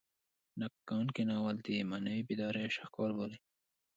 نقد کوونکي ناول د معنوي بیدارۍ شاهکار بولي.